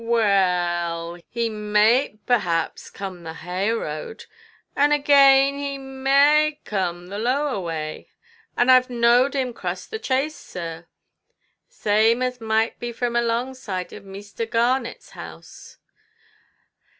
"Well, he maight perhaps come the haigher road, and again a maight come the lower wai, and Iʼve a knowed him crass the chase, sir, same as might be fram alongside of Meester Garnetʼs house.